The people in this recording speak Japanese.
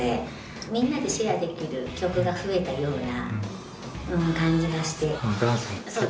みんなでシェアできる曲が増えたような感じがして。